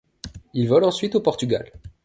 Il vole ensuite au Portugal.